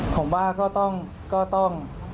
ผมว่าก็ต้อง